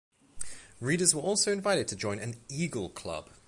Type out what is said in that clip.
Readers were also invited to join an "Eagle" club.